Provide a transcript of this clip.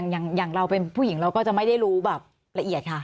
อย่างเราเป็นผู้หญิงเราก็จะไม่ได้รู้แบบละเอียดค่ะ